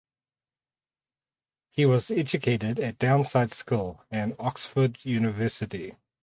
He was educated at Downside School and Oxford University.